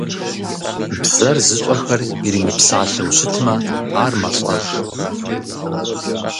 Бзэр зыщӀэхэр иримыпсалъэу щытмэ, ар мэлӀэж.